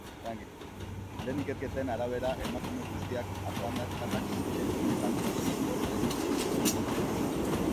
Lehen ikerketen arabera, emakume guztiak afroamerikarrak ziren eta gutxienez bost ito zituen.